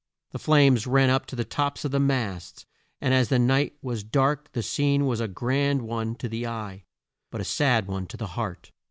The flames ran up to the tops of the masts, and as the night was dark the scene was a grand one to the eye, but a sad one to the heart.